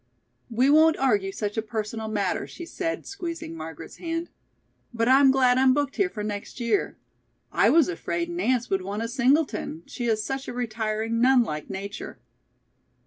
"We won't argue such a personal matter," she said, squeezing Margaret's hand. "But I'm glad I'm booked here for next year. I was afraid Nance would want a 'singleton,' she has such a retiring nun like nature."